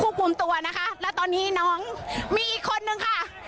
ควบคุมควบคุมตัวนะคะและตอนนี้น้องมีอีกคนหนึ่งค่ะ